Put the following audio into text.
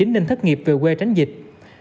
nên thất nghiệp về quê tránh dịch